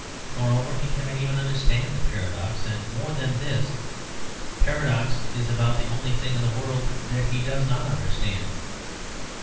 Moreover, he cannot even understand a paradox. And more than this, paradox is about the only thing in the world that he does not understand.